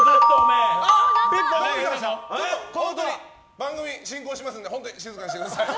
番組進行しますんで本当に静かにしてください。